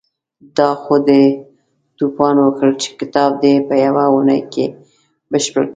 دا خو دې توپان وکړ چې کتاب دې په يوه اونۍ کې بشپړ کړ.